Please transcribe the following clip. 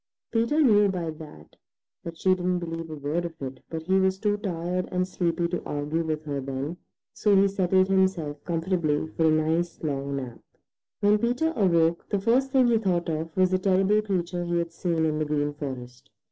Peter knew by that that she didn't believe a word of it, but he was too tired and sleepy to argue with her then, so he settled himself comfortably for a nice long nap. When Peter awoke, the first thing he thought of was the terrible creature he had seen in the Green Forest.